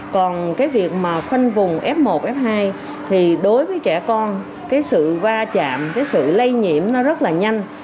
còn cái việc mà khoanh vùng f một f hai thì đối với trẻ con cái sự va chạm cái sự lây nhiễm nó rất là nhanh